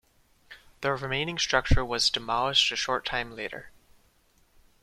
The remaining structure was demolished a short time later.